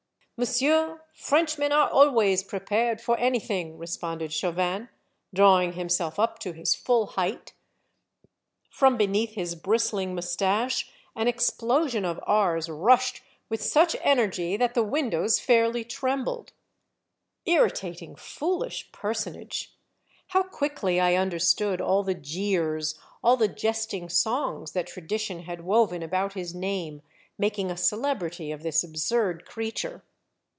"" Monsieur, Frenchmen are always prepared for anything !" responded Chauvin, drawing himself up to his full height; from beneath his bristhng moustache, an explosion of /s rushed with such energy that the windows fairly trembled. Irritating, foolish personage ! How quickly I understood all the jeers, all the jesting songs that tradition had woven about his name, making a celebrity of this absurd creature